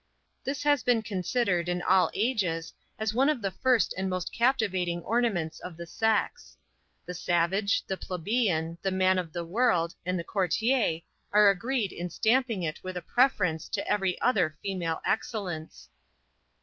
This has been considered in all ages, as one of the first and most captivating ornaments of the sex. The savage, the plebeian, the man of the world, and the courtier, are agreed in stamping it with a preference to every other female excellence.